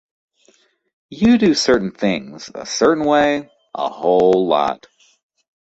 You do certain things a certain way a whole lot.